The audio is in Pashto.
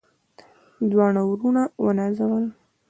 دواړه وروڼه ونازول.